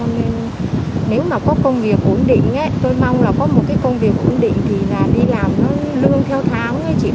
nếu mà có công việc ổn định tôi mong là có một công việc ổn định thì đi làm lương theo tháo